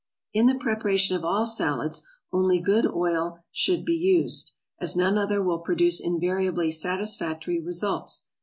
In the preparation of all salads only good oil should be used, as none other will produce invariably satisfactory results.